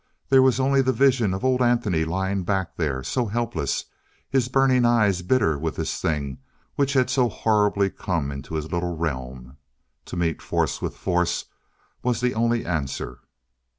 There was only the vision of old Anthony lying back there so helpless his burning eyes bitter with this thing which had so horribly come to his little realm. To meet force with force was the only answer.